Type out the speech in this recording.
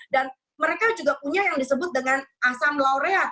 dan mereka juga punya yang disebut dengan asam laurel